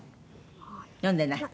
読んでない？